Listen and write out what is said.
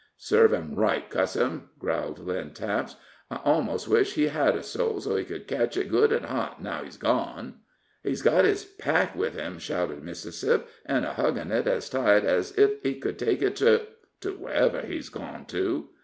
"Serve him right, cuss him," growled Lynn Taps. "I almost wish he had a soul, so he could catch it good an' hot, now he's gone!" "He's got his pack with him," shouted Mississip, "and a huggin' it ez tight ez ef he could take it to to wherever he's gone to.".